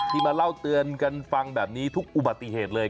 มาเล่าเตือนกันฟังแบบนี้ทุกอุบัติเหตุเลย